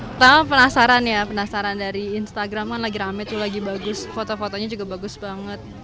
pertama penasaran ya penasaran dari instagram kan lagi rame tuh lagi bagus foto fotonya juga bagus banget